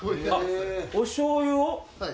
おしょうゆを？